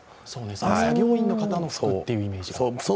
作業員の方の服というイメージがあります。